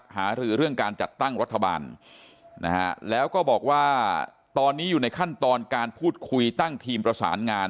หารือเรื่องการจัดตั้งรัฐบาลนะฮะแล้วก็บอกว่าตอนนี้อยู่ในขั้นตอนการพูดคุยตั้งทีมประสานงาน